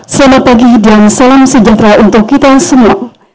selamat pagi dan salam sejahtera untuk kita semua